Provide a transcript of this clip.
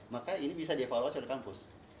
maka ini bisa dievaluasi oleh kampus